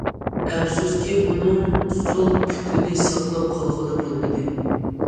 ئەپسۇسكى ئۇنىڭ سول پۇتىنى ساقلاپ قالغىلى بولمىدى.